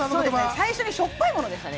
最初にしょっぱいものでしたね